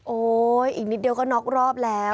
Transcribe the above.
อีกนิดเดียวก็น็อกรอบแล้ว